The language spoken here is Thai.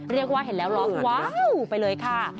เรียกว่าเห็นแล้วร้องว้าวไปเลยค่ะ